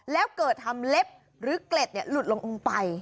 แล้วเกิดทำเล็บหรือเกล็ดหลุดลงลงไป